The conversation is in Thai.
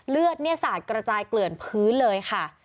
เลือดเนี่ยสาดกระจายเกลื่อนพื้นเลยค่ะ